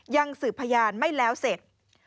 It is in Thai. ยังสืบพยานไม่แล้วเสร็จ